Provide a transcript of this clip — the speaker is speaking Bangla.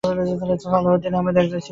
সালাহ উদ্দিন আহমেদ একজন চিকিৎসক।